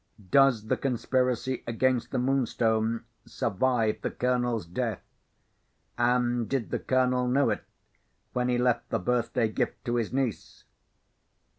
Does the conspiracy against the Moonstone survive the Colonel's death? And did the Colonel know it, when he left the birthday gift to his niece?"